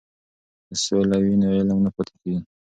که سوله وي نو علم نه پاتې کیږي.